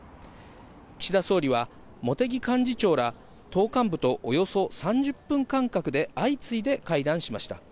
岸田総理は、茂木幹事長ら、党幹部とおよそ３０分間隔で相次いで会談しました。